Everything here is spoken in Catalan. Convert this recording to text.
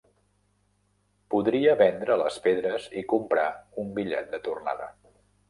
Podria vendre les pedres i comprar un bitllet de tornada.